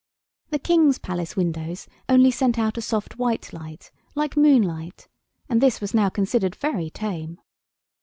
The King's palace windows only sent out a soft white light like moonlight, and this was now considered very tame.